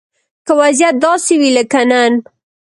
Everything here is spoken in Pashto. که وضيعت داسې وي لکه نن